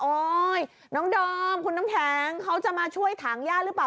น้องดอมคุณน้ำแข็งเขาจะมาช่วยถางย่าหรือเปล่า